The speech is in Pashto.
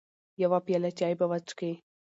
يوه پياله چاى به وچکې .